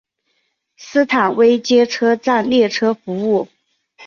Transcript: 斯坦威街车站列车服务。